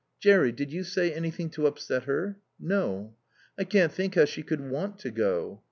"Jerry did you say anything to upset her?" "No." "I can't think how she could want to go."